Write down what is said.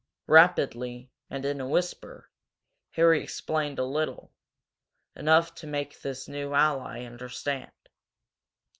Rapidly, and in a whisper, Harry explained a little, enough to make this new ally understand.